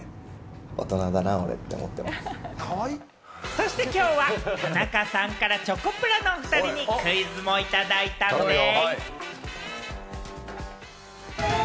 そしてきょうは、田中さんからチョコプラのおふたりにクイズもいただいたんでぃす。